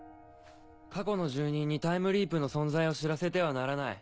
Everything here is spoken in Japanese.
過去の住人にタイムリープの存在を知らせてはならない。